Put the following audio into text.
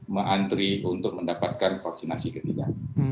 mengantri untuk mendapatkan vaksinasi ketiga